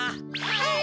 はい！